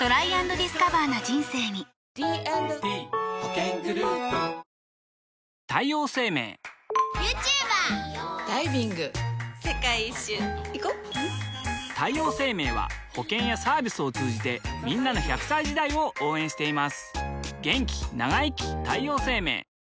女性 ２） 世界一周いこ太陽生命は保険やサービスを通じてんなの１００歳時代を応援しています